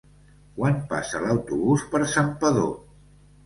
Quan passa l'autobús per Santpedor?